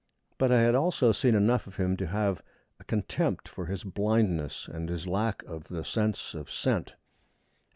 But I had also seen enough of him to have a contempt for his blindness and his lack of the sense of scent.